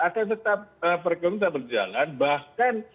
akan tetap perekonomian berjalan bahkan